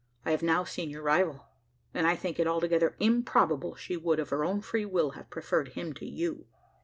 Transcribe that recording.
I have now seen your rival; and I think it altogether improbable she would, of her own free will, have preferred him to you."